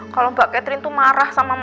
kalau mbak catherine tuh marah sama mbak miji